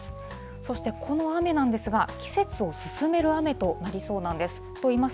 そしてこの雨なんですが、季節を進める雨となりそうなんです。